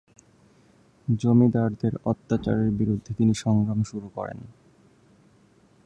জমিদারদের অত্যাচারের বিরুদ্ধে তিনি সংগ্রাম শুরু করেন।